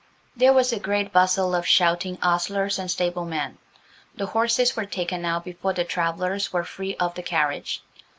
There was a great bustle of shouting ostlers and stablemen; the horses were taken out before the travellers were free of the carriage.